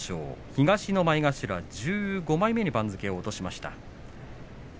東の前頭１５枚目に番付を落としました。